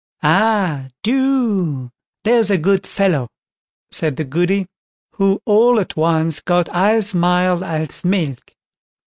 "Ah! do; there's a good fellow", said the Goody, who all at once got as mild as milk.